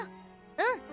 うん。